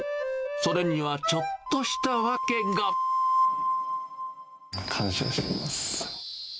それにはちょっとした訳が。感謝しています。